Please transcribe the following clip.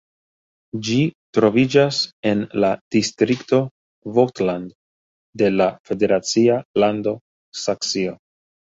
Ĝi troviĝas en la distrikto Vogtland de la federacia lando Saksio.